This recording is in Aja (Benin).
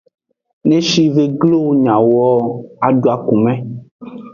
Ne shive glo wo nyawo, adu akume.